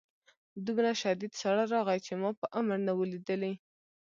دومره شدید ساړه راغی چې ما په عمر نه و لیدلی